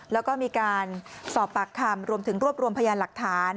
แล้วก็มีการสอบปากคำรวมถึงรวบรวมพยานหลักฐาน